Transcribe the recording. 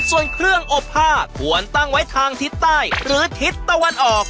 ส่วนเครื่องอบผ้าควรตั้งไว้ทางทิศใต้หรือทิศตะวันออก